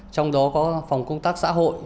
trong đó có phòng công tác xã hội